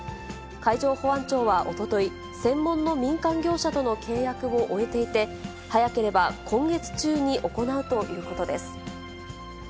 海上保安庁はおととい、専門の民間業者との契約を終えていて、早ければ今月中に行うということです。